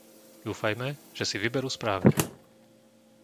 Dúfajme, že si vyberú správne!